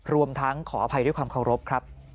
รวมทั้งขออภัยด้วยความเคารพครับ